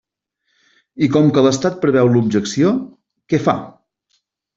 I com que l'estat preveu l'objecció, ¿què fa?